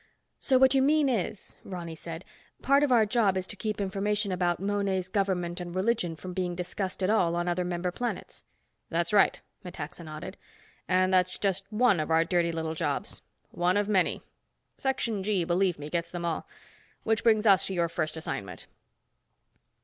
"So what you mean is," Ronny said, "part of our job is to keep information about Monet's government and religion from being discussed at all on other member planets." "That's right," Metaxa nodded. "And that's just one of our dirty little jobs. One of many. Section G, believe me, gets them all. Which brings us to your first assignment."